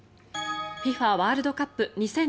ＦＩＦＡワールドカップ２０２２。